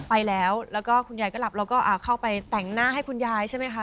ไปแล้วแล้วก็คุณยายก็หลับแล้วก็เข้าไปแต่งหน้าให้คุณยายใช่ไหมคะ